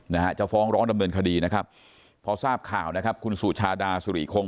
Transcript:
นะฮะจะฟ้องร้องดำเนินคดีนะครับพอทราบข่าวนะครับคุณสุชาดาสุริคง